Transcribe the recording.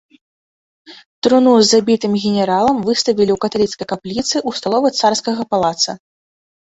Труну з забітым генералам выставілі ў каталіцкай капліцы ў сталовай царскага палаца.